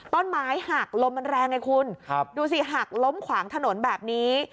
ต้นไม้หักลมมันแรงไงคุณดูสิหักล้มขวางถนนแบบนี้